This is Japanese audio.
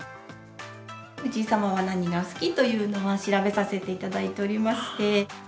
藤井様は何がお好きというのは、調べさせていただいておりまして。